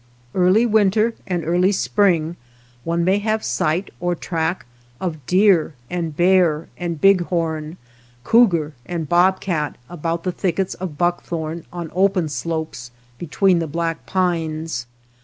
Early winter and early 195 THE STREETS OF THE MOUNTAINS spring one may have sight or track of deer and bear and bighorn, cougar and bobcat, about the thickets of buckthorn on open slopes between the black pines.